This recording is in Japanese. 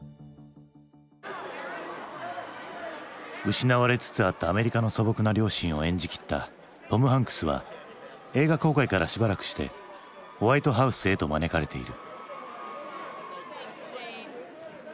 失われつつあったアメリカの素朴な良心を演じきったトム・ハンクスは映画公開からしばらくしてホワイトハウスへと招かれている。